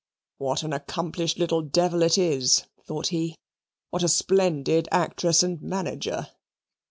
"What an accomplished little devil it is!" thought he. "What a splendid actress and manager!